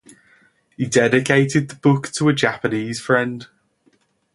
He dedicated the book to a Japanese friend.